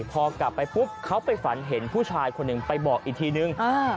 พอกลับไปปุ๊บเขาไปฝันเห็นผู้ชายคนหนึ่งไปบอกอีกทีนึง